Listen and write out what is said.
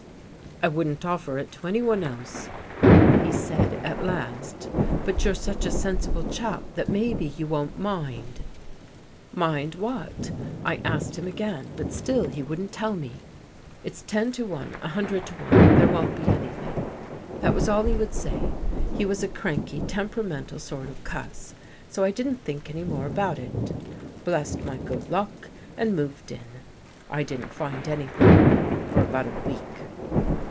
I wouldn't offer it to anyone else,' he said at 31 U ( THE GHOST GIRL last, ' but you're such a sensible chap that maybe you won't mind.' "' Mind what? ' I asked him again, but still he wouldn't tell me. "' It's ten to one, a hundred to one, there won't be anything.' " That was all he would say. He was a cranky, temperamental sort of cuss, so I didn't think any more about it. Blessed my good luck and moved in. I didn't find anything for about a week."